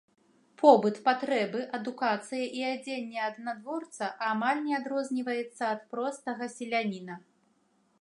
Побыт, патрэбы, адукацыя і адзенне аднадворца амаль не адрозніваецца ад простага селяніна.